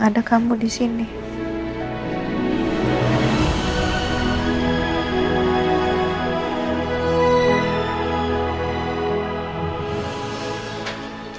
karena dia x menjadi orang yang ia inginkan